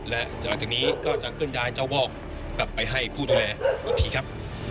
และจากนี้ก็จะขึ้นย้ายเจ้าวอกกลับไปให้ผู้ดูแล